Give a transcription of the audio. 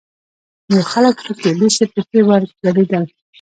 نور خلک پکې لوڅې پښې ورګډېدل.